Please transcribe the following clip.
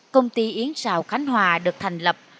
công ty yến rào khánh hòa được thành lập